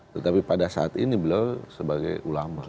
tetapi pada saat ini beliau sebagai ulama